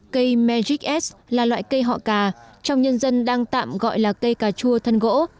cây magic s là loại cây họ cà trong nhân dân đang tạm gọi là cây hỏa cà